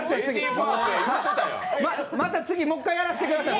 もう１回やらせてください。